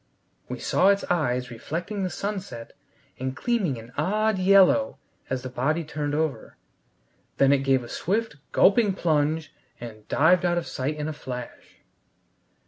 We saw its eyes reflecting the sunset, and gleaming an odd yellow as the body turned over. Then it gave a swift, gulping plunge, and dived out of sight in a flash.